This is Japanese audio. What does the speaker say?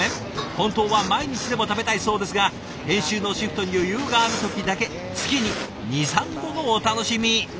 本当は毎日でも食べたいそうですが編集のシフトに余裕がある時だけ月に２３度のお楽しみ。